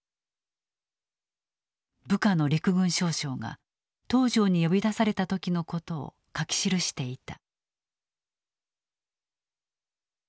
部下の陸軍少将が東條に呼び出された時のことを書き記していた。